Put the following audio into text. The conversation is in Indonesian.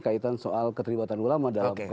kaitan soal keterlibatan ulama